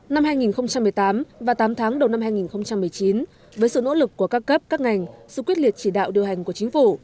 năm hai nghìn một mươi tám và tám tháng đầu năm hai nghìn một mươi chín với sự nỗ lực của các cấp các ngành sự quyết liệt chỉ đạo điều hành của chính phủ